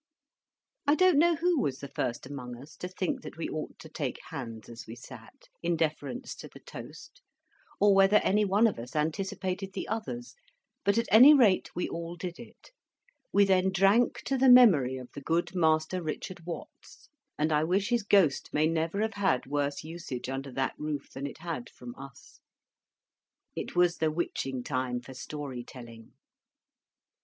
I don't know who was the first among us to think that we ought to take hands as we sat, in deference to the toast, or whether any one of us anticipated the others, but at any rate we all did it. We then drank to the memory of the good Master Richard Watts. And I wish his Ghost may never have had worse usage under that roof than it had from us. It was the witching time for Story telling.